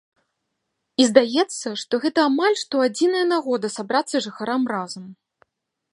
І здаецца, што гэта амаль што адзіная нагода сабрацца жыхарам разам.